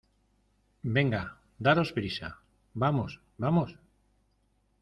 venga, daros prisa. vamos , vamos .